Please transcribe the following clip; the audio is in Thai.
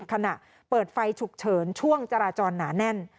ขณะเปิดไฟฉุกเฉินช่วงจราจรหนาแน่น